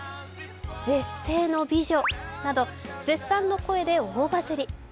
絶世の美女など、絶賛の声で大バズり。